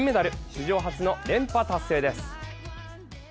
史上初の連覇達成です。